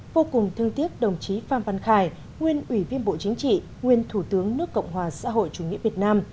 vô cùng thương tiếc đồng chí phan văn khải nguyên ủy viên bộ chính trị nguyên thủ tướng nước cộng hòa xã hội chủ nghĩa việt nam